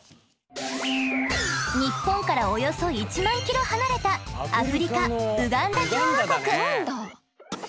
ニッポンからおよそ１万ｋｍ離れたアフリカウガンダ共和国。